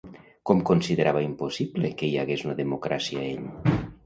Com considerava impossible que hi hagués una democràcia ell?